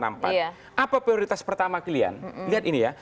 apa prioritas pertama kalian lihat ini ya